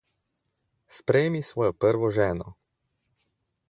Sprejmi svojo prvo ženo.